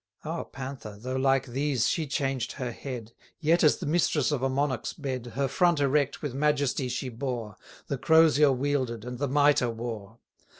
Our Panther, though like these she changed her head, Yet, as the mistress of a monarch's bed, Her front erect with majesty she bore, The crosier wielded, and the mitre wore.